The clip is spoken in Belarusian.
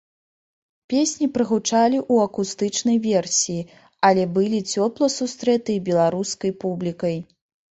Песні прагучалі ў акустычнай версіі, але былі цёпла сустрэтыя беларускай публікай.